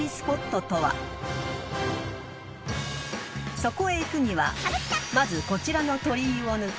［そこへ行くにはまずこちらの鳥居を抜け］